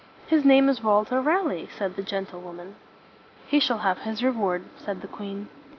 "His name is Walter Raleigh," said the gentle woman. "He shall have his reward," said the queen.